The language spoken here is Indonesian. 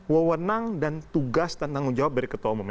wewenang dan tugas dan tanggung jawab dari ketua umum